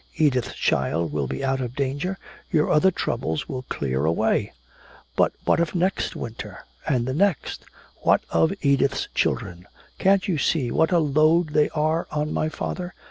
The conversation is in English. Edith's child will be out of danger, your other troubles will clear away!" "But what of next winter, and the next? What of Edith's children? Can't you see what a load they are on my father?